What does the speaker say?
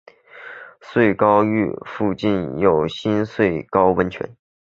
穗高岳附近有新穗高温泉。